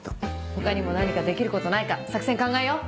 他にも何かできることないか作戦考えよう！